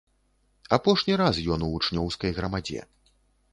Апошні раз ён у вучнёўскай грамадзе.